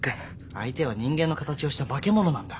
相手は人間の形をしたバケモノなんだ。